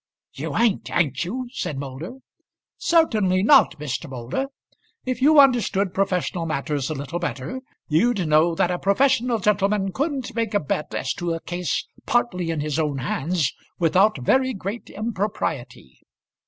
"You ain't, ain't you?" said Moulder. "Certainly not, Mr. Moulder. If you understood professional matters a little better, you'd know that a professional gentleman couldn't make a bet as to a case partly in his own hands without very great impropriety."